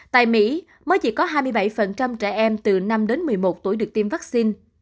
tại mỹ mới chỉ có hai mươi bảy trẻ em từ năm đến một mươi một tuổi được tiêm vaccine phòng covid một mươi chín